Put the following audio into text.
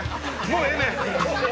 もうええねん